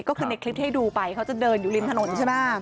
ก็คือในคลิปให้ดูไปเขาจะเดินอยู่ริมถนนใช่ไหม